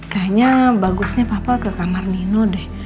kayaknya bagusnya papa ke kamar nino deh